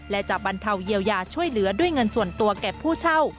และจะบรรเทาเยียวยาช่วยเหลือด้วยเงินส่วนตัวแก่ผู้เช่า